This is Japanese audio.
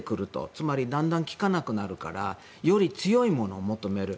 つまりだんだん効かなくなるからより強いものを求める。